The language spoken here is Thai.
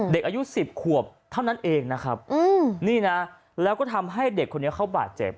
เด็กอายุ๑๐ขวบเท่านั้นเองนะครับนี่นะแล้วก็ทำให้เด็กคนนี้เขาบาดเจ็บ